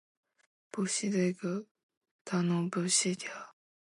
不是两个？大脑不也是？